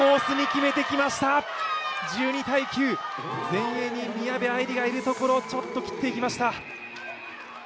前衛に宮部藍梨がいるところちょっと切っていきました。